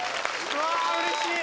うわうれしい！